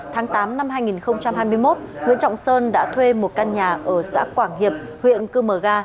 tháng tám năm hai nghìn hai mươi một nguyễn trọng sơn đã thuê một căn nhà ở xã quảng hiệp huyện cư mờ ga